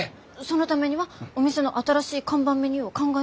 そのためにはお店の新しい看板メニューを考えないと。